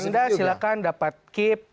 anda silahkan dapat kip